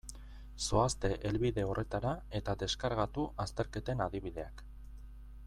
Zoazte helbide horretara eta deskargatu azterketen adibideak.